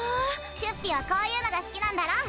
チュッピはこういうのが好きなんだろ？